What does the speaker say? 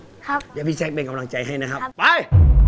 เดี๋ยวพี่แซคเป็นกำลังใจให้นะครับไป